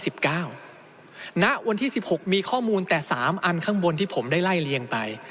ณวันที่๑๖มีข้อมูลแต่๓อันข้างบนที่ผมได้ไล่เลียงไป